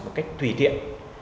một cách tùy tiện